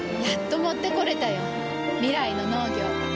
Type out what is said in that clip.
やっと持ってこれたよ。未来の農業。